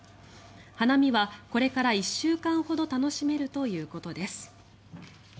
花見はこれから１週間ほど楽しめるということです。